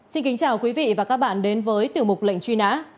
xin kính chào quý vị và các bạn đến với tiểu mục lệnh truy nã